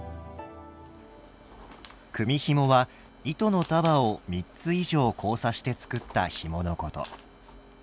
組みひもは糸の束を３つ以上交差して作ったひものこと。